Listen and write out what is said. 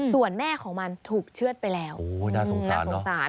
ส่วนแม่ของมันถูกเชือดไปแล้วโอ้โหน่าสงสารเนอะ